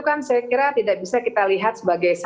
apa yang mbak bivitri baca dari proses ini